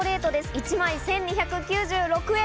１枚１２９６円。